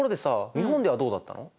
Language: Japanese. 日本ではどうだったの？